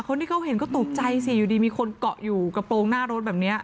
คนที่เขาเห็นก็ตกใจสิอยู่ดีมีคนเกาะอยู่กระโปรงหน้ารถแบบนี้